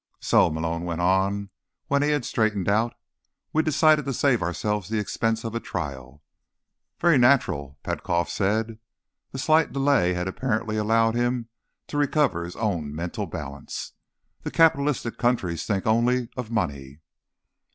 "So," Malone went on when he had straightened out, "we decided to save ourselves the expense of a trial." "Very natural," Petkoff said. The slight delay had apparently allowed him to recover his own mental balance. "The capitalist countries think only of money."